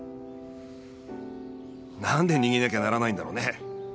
何で逃げなきゃならないんだろうね。